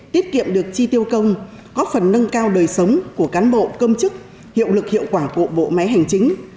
tiết kiệm được chi tiêu công góp phần nâng cao đời sống của cán bộ công chức hiệu lực hiệu quả của bộ máy hành chính